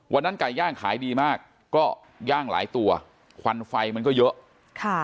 ไก่ย่างขายดีมากก็ย่างหลายตัวควันไฟมันก็เยอะค่ะ